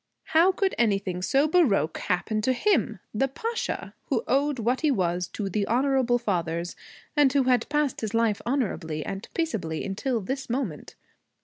How could anything so baroque happen to him, the Pasha, who owed what he was to the honorable fathers and who had passed his life honorably and peaceably until this moment?